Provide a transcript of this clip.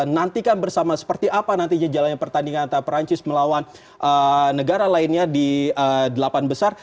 nantikan bersama seperti apa nantinya jalannya pertandingan antara perancis melawan negara lainnya di delapan besar